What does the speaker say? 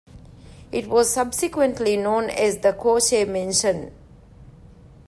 It was subsequently known as the "Causey Mansion.